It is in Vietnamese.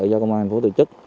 do công an thành phố tự chức